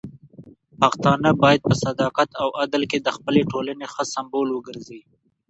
پښتانه بايد په صداقت او عدل کې د خپلې ټولنې ښه سمبول وګرځي.